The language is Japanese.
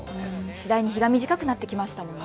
次第に日が短くなってきましたもんね。